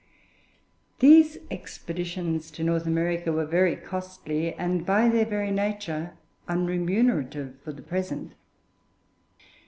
These expeditions to North America were very costly, and by their very nature unremunerative for the present.